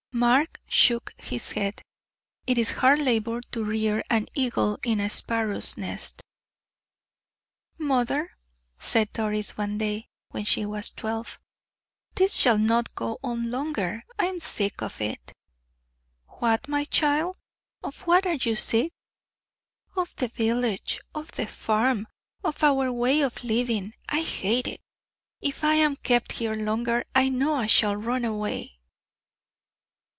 Mark shook his head. It is hard labor to rear an eagle in a sparrow's nest. "Mother," said Doris, one day, when she was twelve, "this shall not go on longer I'm sick of it." "What, my child? Of what are you sick?" "Of the village, of the farm, of our way of living. I hate it. If I am kept here longer I know I shall run away."